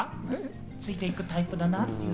ついていくタイプだなって。